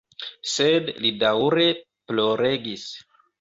Sed li daŭre ploregis.